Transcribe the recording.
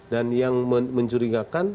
dan yang mencurigakan